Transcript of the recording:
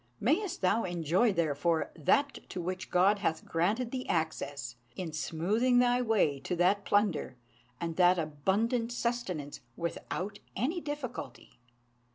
Mayest thou enjoy, therefore, that to which God hath granted thee access, in smoothing thy way to that plunder and that abundant sustenance without any difficulty!"